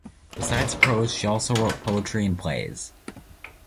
Besides prose she also wrote poetry and plays.